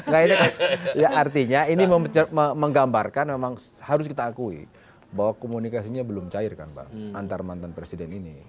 nah ini kan artinya ini menggambarkan memang harus kita akui bahwa komunikasinya belum cair kan pak antar mantan presiden ini